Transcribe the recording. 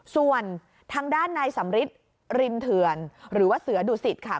ส่วนทางด้านในสำฤิษฐ์รินเถิญหรือว่าเสือดุศิษฐ์ค่ะ